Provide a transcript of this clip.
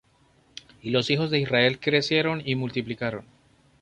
Y los hijos de Israel crecieron, y multiplicaron.